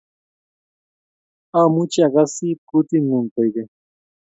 Amuchi akasit kutingung koikeny